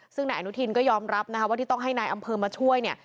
ซึ่งนายอนุทินก็ยอมรับนะคะว่าที่ต้องให้นายอำเภอมาช่วยเนี่ย